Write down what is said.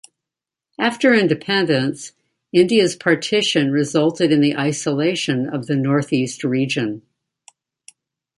After independence, India's partition resulted in the isolation of the Northeast region.